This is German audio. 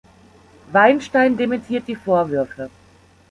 Weinstein dementiert die Vorwürfe.